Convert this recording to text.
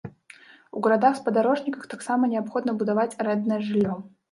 У гарадах-спадарожніках таксама неабходна будаваць арэнднае жыллё.